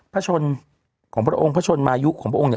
พระชนของพระองค์พระชนมายุของพระองค์เนี่ย